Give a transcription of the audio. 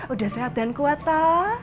udah sehat dan kuat lah